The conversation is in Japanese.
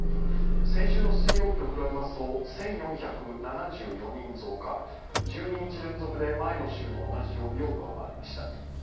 先週の水曜日と比べますと１４７４人増加、１２日連続で前の週の同じ曜日を上回りました。